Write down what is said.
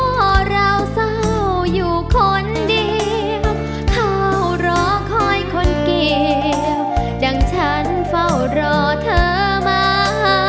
เราเศร้าอยู่คนเดียวเฝ้ารอคอยคนเกี่ยวดังฉันเฝ้ารอเธอมา